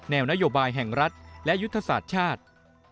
นโยบายแห่งรัฐและยุทธศาสตร์ชาติ